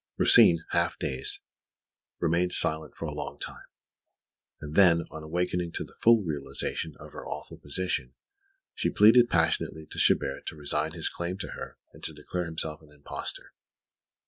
Rosine, half dazed, remained silent for a long time; and then, on awakening to the full realisation of her awful position, she pleaded passionately to Chabert to resign his claim to her and to declare himself an impostor.